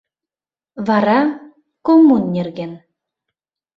Вара — коммун нерген.